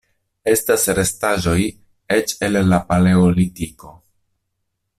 Estas restaĵoj eĉ el la Paleolitiko.